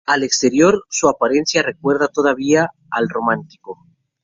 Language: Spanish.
Al exterior, su apariencia recuerda todavía al románico.